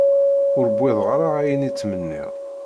Ur wwiḍeɣ ara ayen i ttmenniɣ.